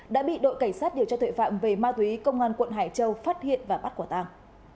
đã bị đội cảnh sát điều tra tuệ phạm về ma túy công an quận hải châu phát hiện và bắt quả tàng